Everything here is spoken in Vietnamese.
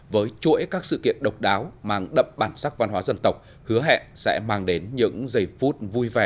với chuỗi các sự kiện độc đáo mang đậm bản sắc văn hóa dân tộc hứa hẹn sẽ mang đến những giây phút vui vẻ